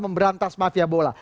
memberantas mafia bola